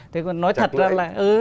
thế còn nói thật là